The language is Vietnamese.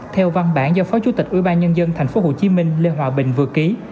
theo văn bản do phó chủ tịch ubnd tp hcm lê hòa bình vừa ký